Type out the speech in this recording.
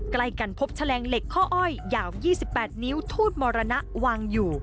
ใกล้กันพบแฉลงเหล็กข้ออ้อยยาว๒๘นิ้วทูตมรณะวางอยู่